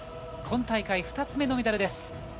今大会２つ目のメダルです。